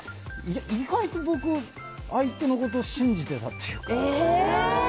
意外と僕、相手のことを信じてたっていうか。